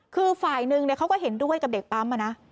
คือฝ่ายหนึ่งเขาก็เห็นด้วยกับเด็กปั๊มนะ